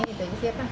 itu sih apa